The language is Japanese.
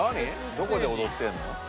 どこでおどってんの？